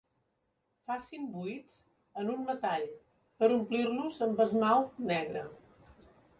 Facin buits en un metall per omplir-los amb esmalt negre.